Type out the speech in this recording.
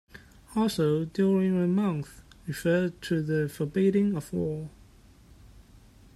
Also during the month referred to the forbidding of war.